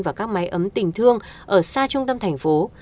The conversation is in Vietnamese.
và các máy ấm tình thương ở xa trung tâm thành phố